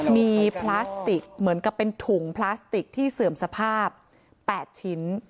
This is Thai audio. มีพลาสติกเหมือนกับเป็นถุงพลาสติกที่เสื่อมสภาพ๘ชิ้น